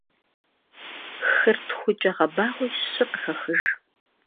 Хыр тхукӏэ гъэбагъуи щы къыхэхыж.